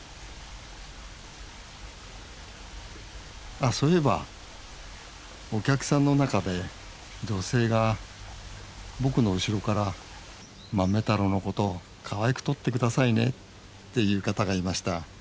あそういえばお客さんの中で女性が僕の後ろから「まめたろうのことかわいく撮って下さいね」って言う方がいました。